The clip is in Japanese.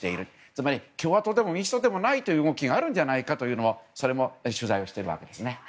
つまり共和党でも民主党でもないという動きがあるんじゃないかというそれも取材をしているわけですね。